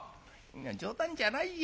冗談じゃないよ